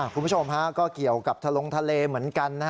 คุณผู้ชมฮะก็เกี่ยวกับทะลงทะเลเหมือนกัน